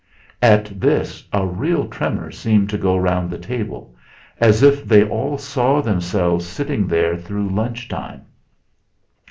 At this a real tremor seemed to go round the table, as if they all saw themselves sitting there through lunch time.